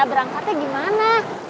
saya berangkatnya gimana